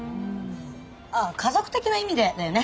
あっ家族的な意味でだよね？